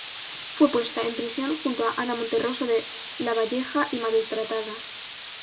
Fue puesta en prisión junto a Ana Monterroso de Lavalleja y maltratada.